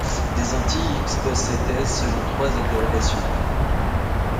Desanti y expose ses thèses selon trois interrogations.